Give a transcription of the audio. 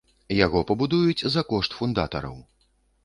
Яго пабудуюць за кошт фундатараў.